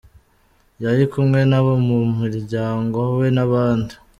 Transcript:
Yari kumwe n’abo mu muryango we n’abandi.